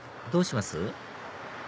どうします？